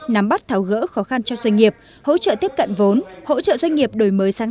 nắm bắt tháo gỡ khó khăn cho doanh nghiệp hỗ trợ tiếp cận vốn hỗ trợ doanh nghiệp đổi mới sáng